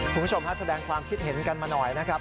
คุณผู้ชมฮะแสดงความคิดเห็นกันมาหน่อยนะครับ